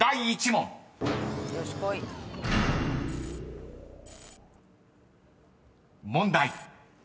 ［問題］